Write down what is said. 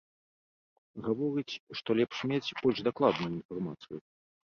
Гаворыць, што лепш мець больш дакладную інфармацыю.